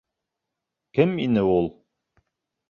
Кем ине ул?